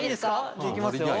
じゃあいきますよ。